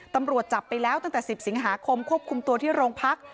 ตำรวจจับไปแล้วตั้งแต่๑๐สิงหาคมควบคุมตัวที่โรงพัก